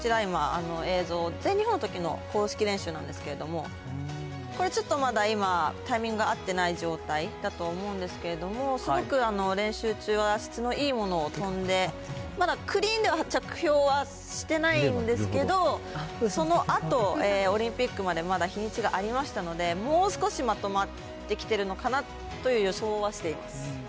今、映像、全日本のときの公式練習なんですけれども、これちょっとまだ、今、タイミング合ってない状態だと思うんですけども、すごく練習中は質のいいものを跳んで、まだクリーンでは着氷はしてないんですけど、そのあとオリンピックまで、まだ日にちがありましたので、もう少しまとまってきているのかなという予想はしています。